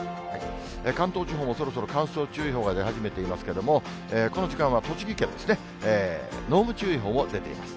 関東地方もそろそろ乾燥注意報が出始めていますけれども、この時間は栃木県ですね、濃霧注意報も出ています。